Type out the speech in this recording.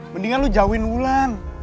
mendingan lo jauhin wulan